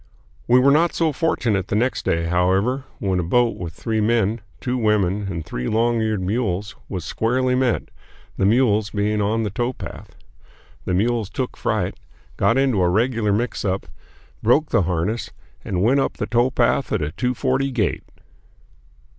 We were not so fortunate the next day, however, when a boat with three men, two women, and three long eared mules was squarely met, the mules being on the towpath. The mules took fright, got into a regular mixup, broke the harness, and went up the towpath at a two forty gait.